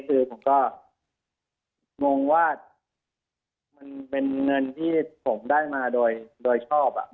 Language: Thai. คือผมก็งงว่ามันเป็นเงินที่ผมได้มาโดยชอบ